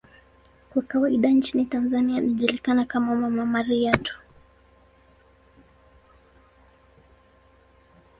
Kwa kawaida nchini Tanzania anajulikana kama 'Mama Maria' tu.